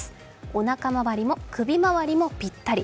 おなか回りも首回りもぴったり。